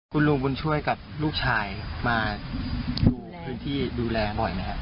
คุณลุงบุญช่วยกับลูกชายมาดูพื้นที่ดูแลบ่อยไหมครับ